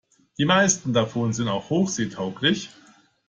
Die meisten davon sind auch hochseetauglich.